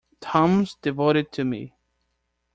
Tom's devoted to me.